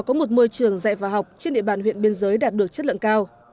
có một môi trường dạy và học trên địa bàn huyện biên giới đạt được chất lượng cao